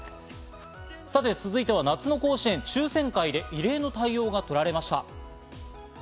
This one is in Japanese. さて続いては夏の甲子園・抽選会で異例の対応が取られました。